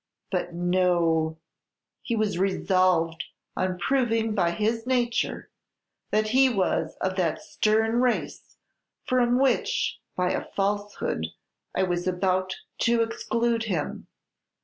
But no! He was resolved on proving by his nature that he was of that stern race from which, by a falsehood, I was about to exclude him.